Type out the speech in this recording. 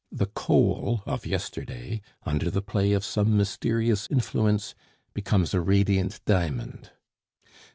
The coal of yesterday under the play of some mysterious influence becomes a radiant diamond.